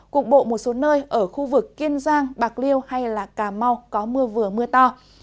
cục bộ một số nơi ở khu vực kiên giang bạc liêu hay cà mau có mưa vừa mưa to